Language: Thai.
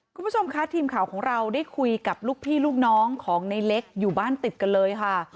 คุณผู้ชมคะทีมข่าวของเราได้คุยกับลูกพี่ลูกน้องของในเล็กอยู่บ้านติดกันเลยค่ะ